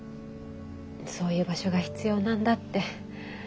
そういう場所が必要なんだって